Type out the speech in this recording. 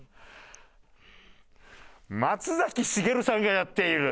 松崎しげるさんがやっている。